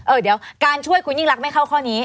เดี๋ยวการช่วยคุณยิ่งรักไม่เข้าข้อนี้